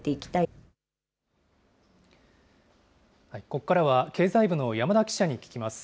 ここからは、経済部の山田記者に聞きます。